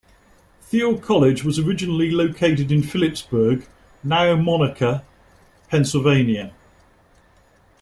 Thiel College was originally located in Philipsburg, now Monaca, Pennsylvania.